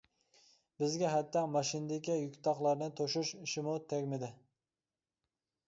بىزگە ھەتتا ماشىنىدىكى يۈك-تاقلارنى توشۇش ئىشىمۇ تەگمىدى.